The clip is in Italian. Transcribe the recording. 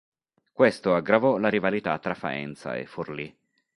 Questo aggravò la rivalità tra Faenza e Forlì.